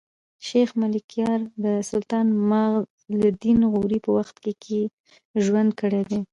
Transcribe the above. شېخ ملکیار د سلطان معز الدین غوري په وخت کښي ژوند کړی دﺉ.